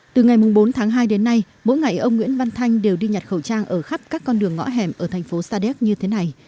từ ngày bốn tháng hai đến nay mỗi ngày ông nguyễn văn thanh đều đi nhặt khẩu trang ở khắp các con đường ngõ hẻm ở thành phố sa đéc như thế này